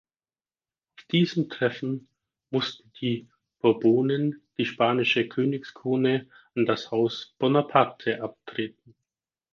Auf diesem Treffen mussten die Bourbonen die spanische Königskrone an das Haus Bonaparte abtreten.